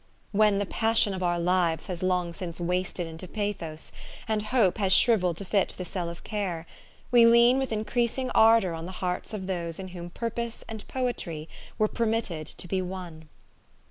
When the pas sion of our lives has long since wasted into pathos, and hope has shrivelled to fit the cell of care, we lean with increasing ardor on the hearts of those in whom purpose and poetry were permitted to be one.